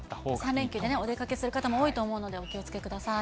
３連休でね、お出かけする方も多いと思うので、お気をつけください。